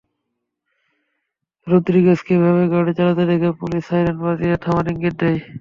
রদ্রিগেজকে এভাবে গাড়ি চালাতে দেখে পুলিশ সাইরেন বাজিয়ে থামার ইঙ্গিত দেয়।